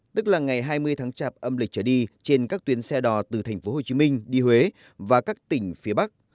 tức là ngày hai mươi tháng chạp âm lịch trở đi trên các tuyến xe đò từ tp hcm đi huế và các tỉnh phía bắc